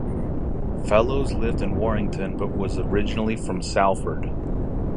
Fellows lived in Warrington but was originally from Salford.